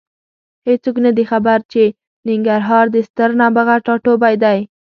هېڅوک نه دي خبر چې ننګرهار د ستر نابغه ټاټوبی دی.